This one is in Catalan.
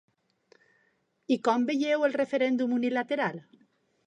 I com veieu el referèndum unilateral?